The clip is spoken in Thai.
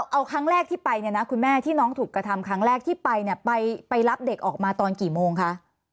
เอาครั้งแรกที่ไปเนี่ยนะคุณแม่ที่น้องถูกกระทำครั้งแรกที่ไปเนี่ยไปรับเด็กออกมาตอนกี่โมงคะ